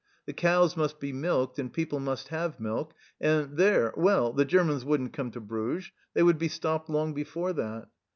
The cows must be milked and people must have milk and there, well, the Germans wouldn't come to Bruges, they would be stopped long before that